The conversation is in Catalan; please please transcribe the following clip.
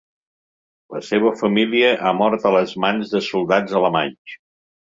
La seva família ha mort a les mans de soldats alemanys.